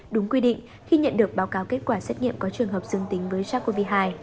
đúng quy định khi nhận được báo cáo kết quả xét nghiệm có trường hợp dương tính với sars cov hai